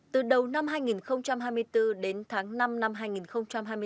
từ đầu năm hai nghìn hai mươi bốn đến tháng năm năm hai nghìn hai mươi bốn